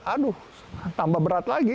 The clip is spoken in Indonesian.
aduh tambah berat lagi